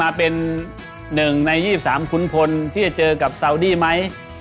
มาเป็น๑ใน๒๓ขุนพลที่จะเจอกับซาวดี้ไหม